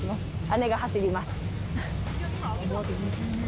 姉が走ります。